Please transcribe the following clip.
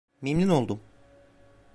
Memnun oldum.